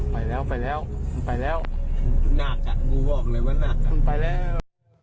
ไปแล้วไปแล้วไปแล้วหนักมาบอกเลยว่าหนักไปแล้ว